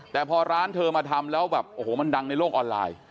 แต่พอร้านเธอมาทำแล้วแบบโอ้โหมันดังในโลกออนไลน์